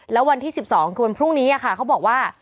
แล้ววันที่๑๒คือวันพรุ่งนี้ค่ะเขาบอกว่า